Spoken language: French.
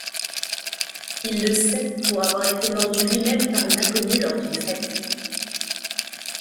Il le sait pour avoir été mordu lui-même par une inconnue lors d'une fête.